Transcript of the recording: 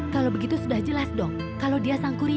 kalau begitu sudah jelas dong kalau dia sang kurian